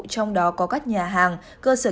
trong đó có các nhà hàng cơ sở